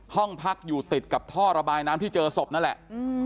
ห้องพักอยู่ติดกับท่อระบายน้ำที่เจอศพนั่นแหละ